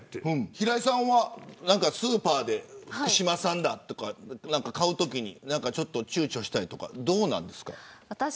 平井さんはスーパーで福島産とかを買うときにちゅうちょしたりとかありますか。